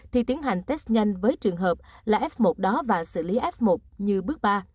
thì tiến hành test nhanh với trường hợp là f một đó và xử lý f một như bước ba